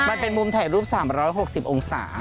มันเป็นมุมถ่ายรูป๓๖๐องศา